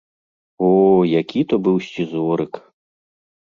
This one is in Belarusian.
О, які то быў сцізорык!